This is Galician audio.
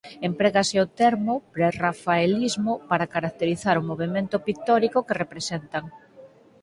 Emprégase o termo prerrafaelismo para caracterizar o movemento pictórico que representan.